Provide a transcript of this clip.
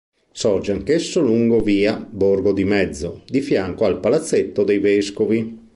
Sorge anch'esso lungo via Borgo di Mezzo, di fianco al palazzetto dei Vescovi.